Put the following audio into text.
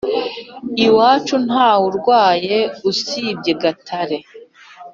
iwacu ntawurwaye usibye gatare